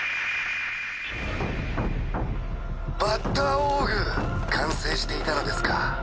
バッタオーグ完成していたのですか。